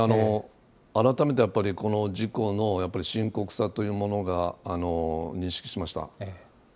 改めてやっぱり、この事故のやっぱり深刻さというものが認識しました。